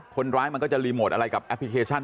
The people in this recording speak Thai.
คนร้ายมันก็จะรีโหมดอะไรกับแอปพลิเคชัน